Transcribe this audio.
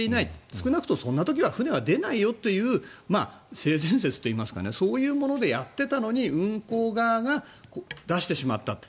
少なくともそんな時は船は出ないよという性善説といいますかそういうものでやっていたのに運航側が出してしまったと。